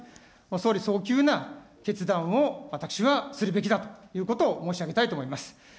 総理、早急な決断を私はするべきだということを申し上げたいと思います。